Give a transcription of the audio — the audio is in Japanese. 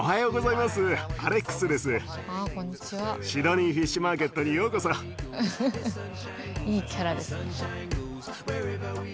いいキャラですね。